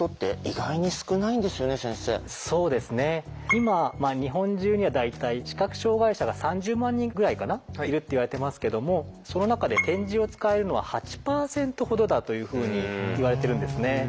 今日本中には大体視覚障害者が３０万人ぐらいかないるっていわれてますけどもその中で点字を使えるのは８％ほどだというふうにいわれてるんですね。